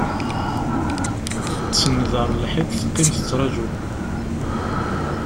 Tsenned ɣer lḥiḍ, teqqim tettraǧu.